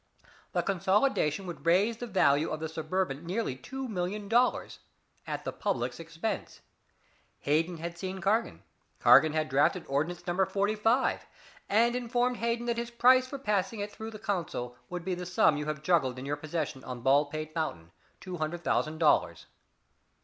The consolidation would raise the value of the Suburban nearly two million dollars at the public's expense. Hayden had seen Cargan. Cargan had drafted Ordinance Number 45, and informed Hayden that his price for passing it through the council would be the sum you have juggled in your possession on Baldpate Mountain two hundred thousand dollars."